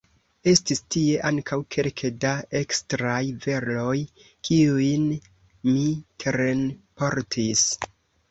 Estis tie ankaŭ kelke da ekstraj veloj, kiujn mi terenportis.